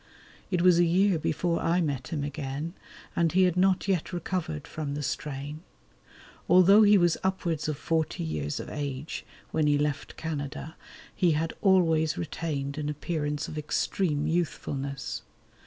It was a year before I met him again, and he had not yet recovered from the strain. Although he was upwards of forty years of age when he left Canada he had always retained an appearance of extreme youthfulness.